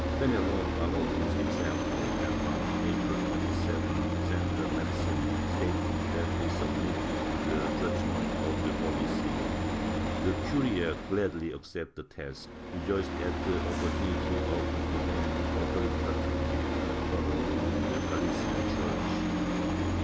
Fenelon followed his example and, on April 27th, sent the Maximes, stating that he submitted it to the judgement of the Holy See. The curia gladly accepted the task, rejoiced at the opportunity of intervening authoritatively in a quarrel within the Galilean Chui'ch.